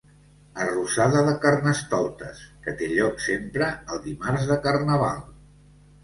Arrossada de carnestoltes, que té lloc sempre el dimarts de carnaval.